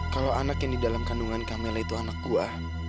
kalau anak yang di dalam kandungan kamela itu anak buah